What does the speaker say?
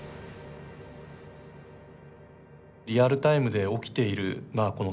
リアルタイムで起きているまあ